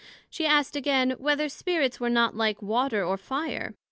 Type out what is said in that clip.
she asked again, Whether Spirits were not like Water or Fire?